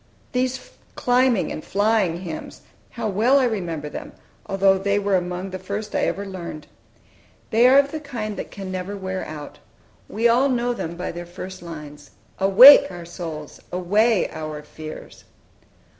These climbing and flying hymns, how well I remember them, although they were among the first I learned! They are of the kind that can never wear out. We all know them by their first lines, "Awake, our souls! away, our fears!"